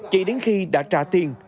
chỉ đến khi đã trả tiền